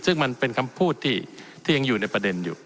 ซึ่งมันเป็นคำพูดที่ยังอยู่ในประเด็นอยู่